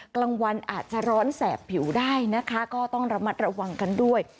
กลางวันอาจจะร้อนแสบผิวได้นะคะก็ต้องระมัดระวังกันด้วย